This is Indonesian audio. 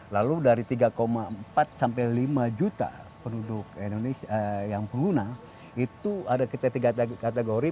lalu dari tiga empat sampai lima juta penduduk indonesia yang pengguna itu ada kita tiga kategori